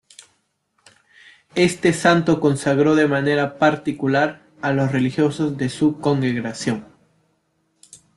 Este santo consagró de manera particular a los religiosos de su congregación.